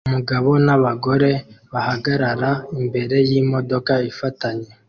Umugabo n'abagore bahagarara imbere y'imodoka ifatanye